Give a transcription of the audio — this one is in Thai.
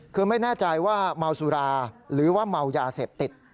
คือไม่แน่ใจว่าเมาสุราหรือว่าเมายาเสพติด